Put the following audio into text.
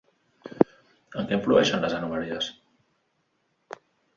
En què influeixen les anomalies?